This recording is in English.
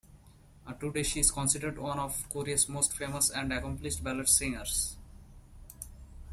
Today she is considered one of Korea's most famous and accomplished ballad singers.